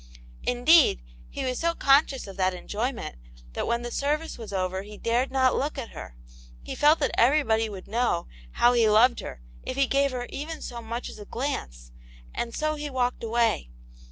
Indeed, he was so conscious of that enjoy ment, that when the service was over he dared not look at her ; he felt that everybody would know how he loved her if he gave her even so much as a glance, and so he walked away.